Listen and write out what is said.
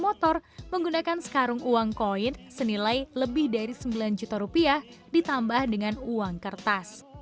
motor menggunakan sekarung uang koin senilai lebih dari sembilan juta rupiah ditambah dengan uang kertas